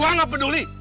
gua nggak peduli